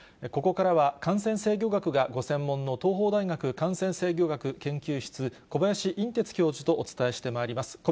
ここからは感染制御学がご専門の東邦大学感染制御学研究室、小林寅てつ教授とお伝えしてまいります。